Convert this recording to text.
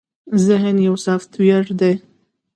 ذهن يو سافټ وئېر دے